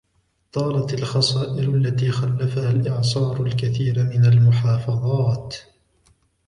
طالت الخسائر التي خلفها الإعصار الكثير من المحافظات.